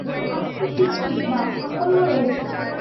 আটটি সিদ্ধি বা সাফল্য রয়েছে।